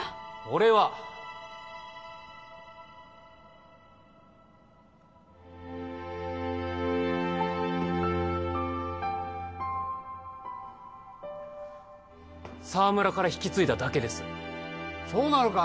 俺は沢村から引き継いだだけですそうなのか？